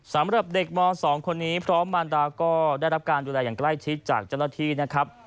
สำหรับเด็กม๒คนนี้พร้อมมารดาก็ได้รับการดูแลอย่างใกล้ชิดจากเจ้าหน้าที่นะครับ